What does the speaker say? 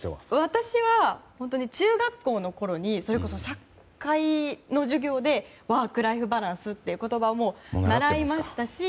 私は中学校のころにそれこそ社会の授業でワークライフバランスという言葉も習いましたし。